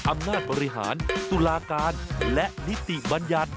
อำนาจบริหารตุลาการและนิติบัญญัติ